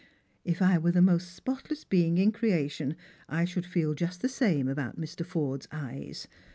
If I were the most spotless being in creation, I should feel just the same about Mr. Forde's eyes.